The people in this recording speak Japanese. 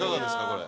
これ。